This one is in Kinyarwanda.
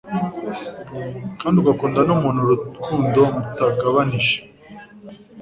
kandi ugakunda n'umuntu urukundo mtagabanije